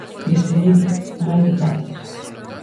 Deseguido, máis detalles.